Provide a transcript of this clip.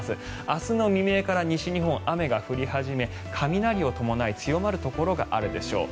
明日の未明から西日本雨が降り始め雷を伴い強まるところがあるでしょう。